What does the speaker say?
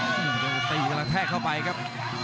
ตีกันแล้วแท่กเข้าไปครับ